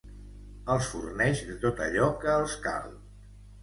Els forneix de tot allò que els cal.